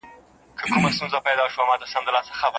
نړۍ ستاسې رڼا ته اړتیا لري.